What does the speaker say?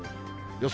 予想